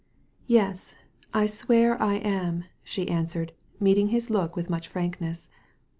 "Yes, I swear I am," she answered, meeting his look with much frankness.